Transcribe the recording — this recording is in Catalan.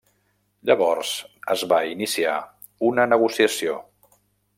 Llavors es va iniciar una negociació.